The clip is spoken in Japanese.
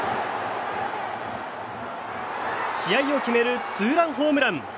試合を決めるツーランホームラン。